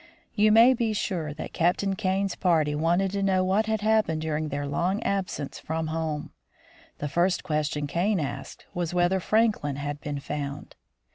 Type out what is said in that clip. You may be sure that Upernavik, Greenland. Captain Kane's party wanted to know what had happened during their long absence from home. The first question Kane asked was whether Franklin had been found.